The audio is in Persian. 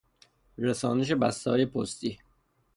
رسانش بستههای پستی